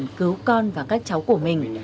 giúp đỡ chú con và các cháu của mình